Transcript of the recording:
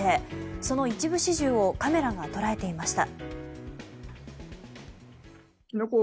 その一部始終をカメラが捉えていました。